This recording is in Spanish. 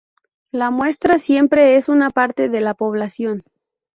La muestra siempre es una parte de la población.